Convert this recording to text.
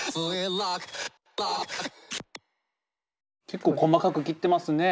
結構細かく切ってますね。